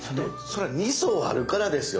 それは二層あるからですよね。